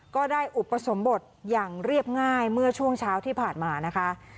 ก็ได้อุปสมบทอย่างเรียบง่ายเมื่อช่วงเช้าที่ผ่านมานะคะ